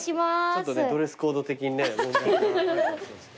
ちょっとねドレスコード的にね問題が。